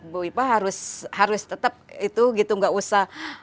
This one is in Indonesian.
bu ipa harus tetap itu gitu nggak usah